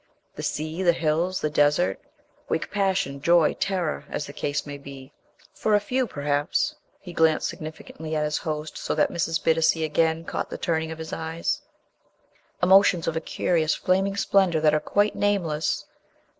The sea, the hills, the desert, wake passion, joy, terror, as the case may be; for a few, perhaps," he glanced significantly at his host so that Mrs. Bittacy again caught the turning of his eyes, "emotions of a curious, flaming splendor that are quite nameless.